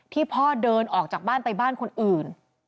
พ่อเดินออกจากบ้านไปบ้านคนอื่น